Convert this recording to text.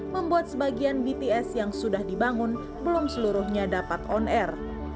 membuat sebagian bts yang sudah dibangun belum seluruhnya dapat on air